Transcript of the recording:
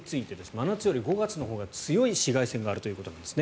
真夏より５月のほうが強い紫外線があるということです。